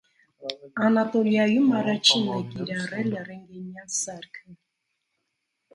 Անատոլիայում առաջինն է կիրառել ռենտգենյան սարքը։